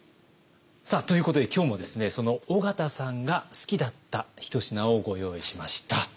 さあということで今日もですねその緒方さんが好きだったひと品をご用意しました。